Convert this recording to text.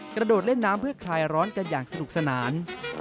กระโดดเล่นน้ำเพื่อคลายร้อนกันอย่างสนุกสนาน